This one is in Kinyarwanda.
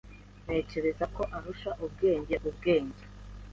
Ntekereza ko arusha ubwenge ubwenge.